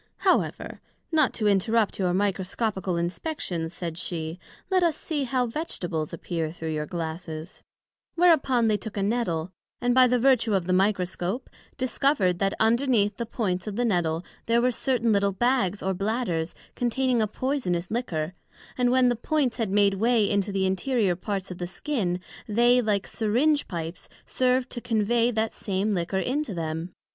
However, not to interrupt your Microscopical Inspections, said she, let us see how Vegetables appear through your Glasses; whereupon they took a Nettle, and by the vertue of the Microscope, discovered that underneath the points of the Nettle there were certain little bags or bladders, containing a poysonous liquor, and when the points had made way into the interior parts of the skin, they like Syringe pipes served to conveigh that same liquor into them.